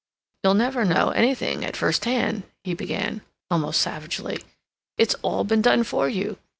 "You'll never know anything at first hand," he began, almost savagely. "It's all been done for you.